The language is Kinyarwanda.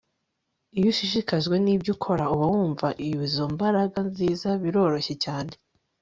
iyo ushishikajwe nibyo ukora, uba wumva izo mbaraga nziza biroroshye cyane